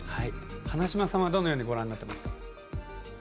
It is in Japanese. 花島さんはどのようにご覧になってますか。